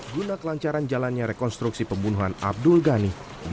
guna kelancaran jalannya rekonstruksi pembunuhan abdul ghani